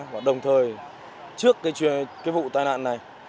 và đồng thời trước vụ tai nạn này